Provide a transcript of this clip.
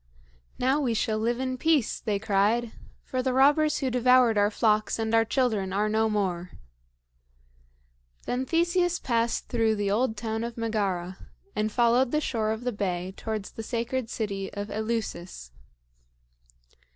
"Now we shall live in peace," they cried; "for the robbers who devoured our flocks and our children are no more." Then Theseus passed through the old town of Megara, and followed the shore of the bay towards the sacred city of Eleusis.